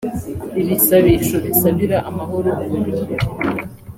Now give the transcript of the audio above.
ibisabisho bisabira amahoro u Burundi